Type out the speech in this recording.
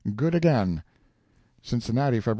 Good again! Cincinnati, Feb.